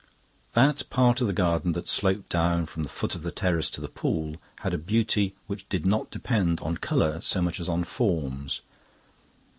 That part of the garden that sloped down from the foot of the terrace to the pool had a beauty which did not depend on colour so much as on forms.